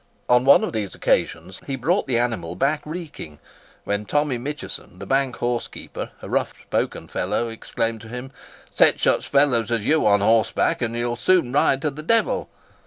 On one of these occasions, he brought the animal back reeking; when Tommy Mitcheson, the bank horse keeper, a rough spoken fellow, exclaimed to him: "Set such fellows as you on horseback, and you'll soon ride to the De'il."